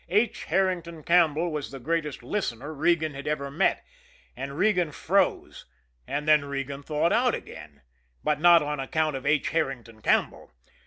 H. Herrington Campbell was the greatest listener Regan had ever met, and Regan froze and then Regan thawed out again, but not on account of H. Herrington Campbell.